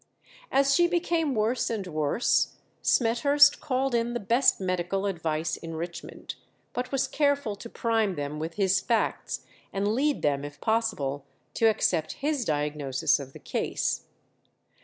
As she became worse and worse, Smethurst called in the best medical advice in Richmond, but was careful to prime them with his facts and lead them if possible to accept his diagnosis of the case.